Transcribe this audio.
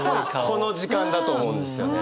この時間だと思うんですよね。